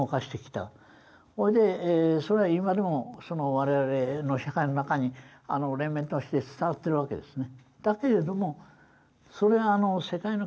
それでそれは今でも我々の社会の中に連綿として伝わってるわけですね。